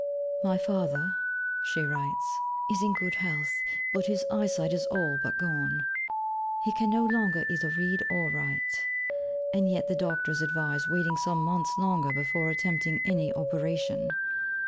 My father (she writes) is in good health, but his eyesight is all but gone; he can no longer either read or write: and yet the doctors advise waiting some months longer before attempting any operation.